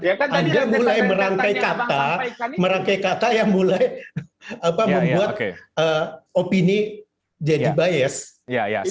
anda mulai merangkai kata merangkai kata yang mulai membuat opini jadi bias